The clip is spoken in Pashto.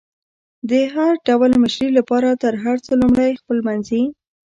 د هر ډول مشري لپاره تر هر څه لمړی خپلمنځي